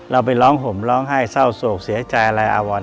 เราไปร้องห่มร้องไห้เศร้าโศกเสียใจอะไรอาวร